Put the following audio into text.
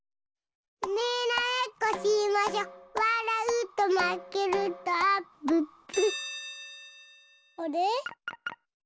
にらめっこしましょわらうとまけるとあっぷっぷあれ？